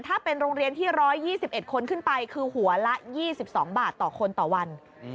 ถ้าเป็นโรงเรียนที่๑๒๑คนขึ้นไปคือหัวละ๒๒บาทต่อคนต่อวัน